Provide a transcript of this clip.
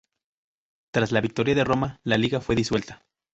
Tras la victoria de Roma, la Liga fue disuelta.